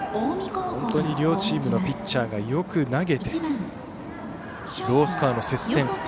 本当に両チームのピッチャーがよく投げてロースコアの接戦。